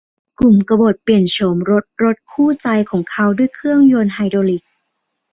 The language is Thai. กลุ่มกบฏเปลี่ยนโฉมรถรถคู่ใจของเขาด้วยเครื่องยนต์ไฮดรอลิค